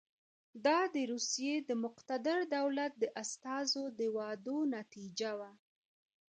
دا د روسیې د مقتدر دولت د استازو د وعدو نتیجه وه.